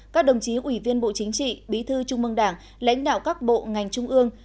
các đồng chí ủy viên bộ chính trị bí thư trung mương đảng lãnh đạo các bộ ngành trung ương